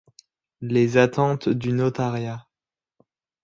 Les attentes du notariat.